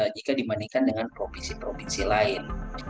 jika dibandingkan dengan provinsi provinsi lain